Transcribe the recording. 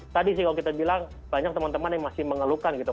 tadi sih kalau kita bilang banyak teman teman yang masih mengeluhkan gitu